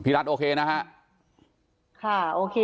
พิรัฐโอเคนะครับ